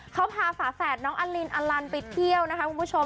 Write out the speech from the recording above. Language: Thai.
เขาพาฝาแฝดน้องอลินอลันไปเที่ยวนะคะคุณผู้ชม